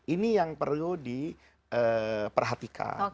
ini yang perlu diperhatikan